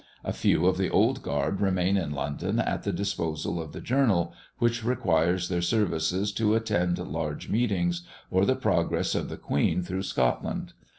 A few of the old guard remain in London at the disposal of the journal, which requires their services to attend large meetings, or the progress of the Queen through Scotland.